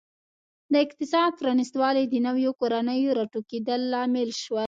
د اقتصاد پرانیستوالی د نویو کورنیو راټوکېدل لامل شول.